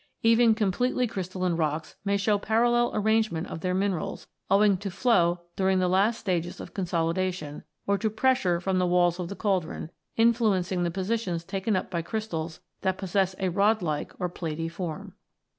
Even completely crystalline rocks may show parallel arrangement of their minerals, owing to flow during the last stages of consolidation, or to pressure from the walls of the cauldron, influencing the positions taken up by crystals that possess a rod like or platy form.